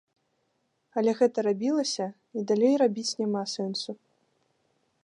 Але гэта рабілася, і далей рабіць няма сэнсу.